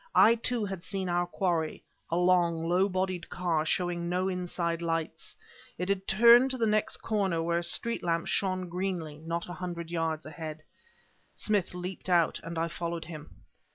I, too, had seen our quarry a long, low bodied car, showing no inside lights. It had turned the next corner, where a street lamp shone greenly, not a hundred yards ahead. Smith leaped out, and I followed him.